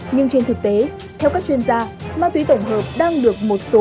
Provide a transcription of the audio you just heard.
nhưng trên thực tế theo các chuyên gia ma túy tổng hợp đang được một số thay đổi